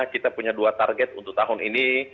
kita punya dua target untuk tahun ini